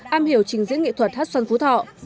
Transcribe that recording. am hiểu trình diễn nghệ thuật hát xoan phú thọ